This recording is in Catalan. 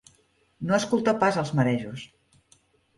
No escoltà pas els marejos.